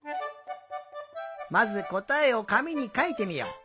まずこたえをかみにかいてみよう。